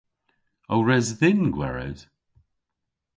O res dhyn gweres?